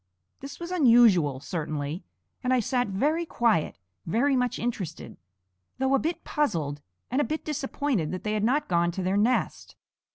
This was unusual, certainly; and I sat very quiet, very much interested, though a bit puzzled, and a bit disappointed that they had not gone to their nest.